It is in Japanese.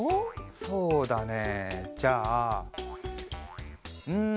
そうだねじゃあん。